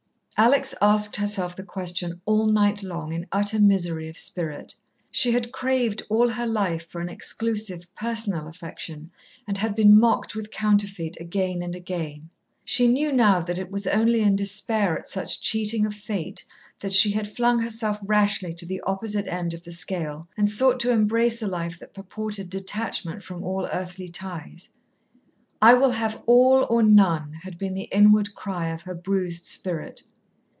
Alex asked herself the question all night long in utter misery of spirit. She had craved all her life for an exclusive, personal affection, and had been mocked with counterfeit again and again. She knew now that it was only in despair at such cheating of fate that she had flung herself rashly to the opposite end of the scale, and sought to embrace a life that purported detachment from all earthly ties. "I will have all or none" had been the inward cry of her bruised spirit.